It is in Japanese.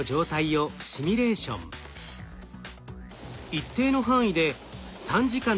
一定の範囲で３時間の積算